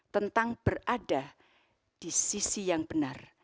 tentang berada di sisi yang benar